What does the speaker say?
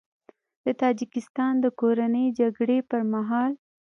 د تاجیکستان د کورنۍ جګړې پر مهال